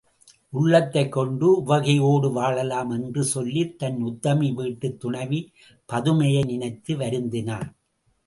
உள்ளதைக் கொண்டு உவகையோடு வாழலாம் என்று சொல்லிய தன் உத்தமி வீட்டுத் துணைவி பதுமையை நினைத்து வருந்தினான்.